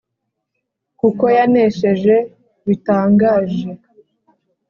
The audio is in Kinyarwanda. kuko yanesheje bitangaje.